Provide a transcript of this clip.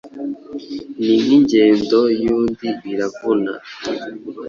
Ni nk' ingendo yundi iravuna